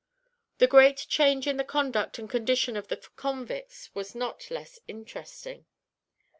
"The great change in the conduct and condition of the convicts was not less interesting.